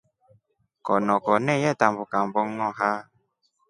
Konokone yetambuka mbongʼoha.